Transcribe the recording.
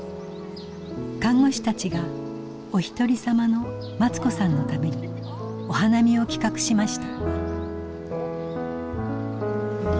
看護師たちがおひとりさまのマツ子さんのためにお花見を企画しました。